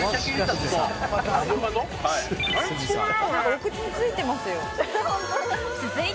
「お口に付いてますよ」